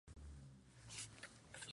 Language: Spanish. Las elecciones fueron impugnadas.